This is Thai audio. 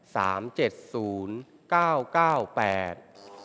เจ็ดศูนย์เก้าเก้าแปด